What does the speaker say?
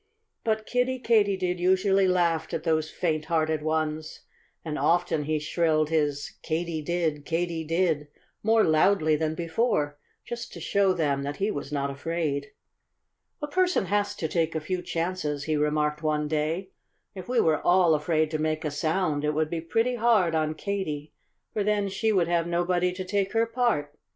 But Kiddie Katydid usually laughed at those faint hearted ones; and often he shrilled his Katy did, Katy did, more loudly than before, just to show them that he was not afraid. "A person has to take a few chances," he remarked one day. "If we were all afraid to make a sound it would be pretty hard on Katy, for then she would have nobody to take her part.